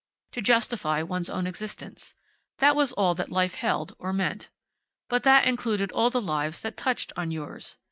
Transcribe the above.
To justify one's own existence. That was all that life held or meant. But that included all the lives that touched on yours.